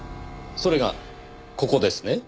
それがここですね？